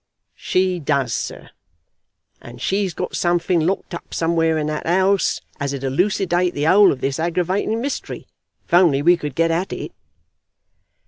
"She does, sir; and she's got something locked up somewhere in that house as'd elucidate the whole of this aggravating mystery, if only we could get at it.